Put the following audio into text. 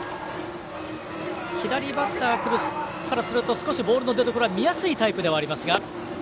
左バッターからすると少しボールの出どころが見やすいタイプではありますが。